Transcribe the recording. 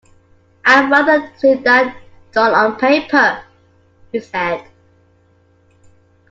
‘I’d rather see that done on paper,’ he said.